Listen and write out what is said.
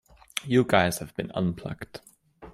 You guys have been unplugged!